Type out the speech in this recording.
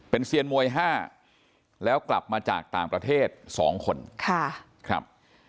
เป็นเซียนมวย่ห้าแล้วกลับมาจากตามประเทศสองคนค่ะครับ